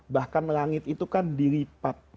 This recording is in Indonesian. bahkan langit itu kan dilipat